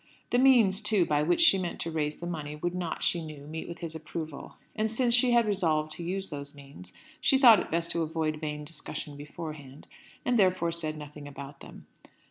The means, too, by which she meant to raise the money would not, she knew, meet with his approval. And, since she had resolved to use those means, she thought it best to avoid vain discussion beforehand, and therefore said nothing about them.